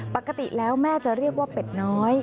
ปกติแล้วแม่จะเรียกว่าเป็ดน้อย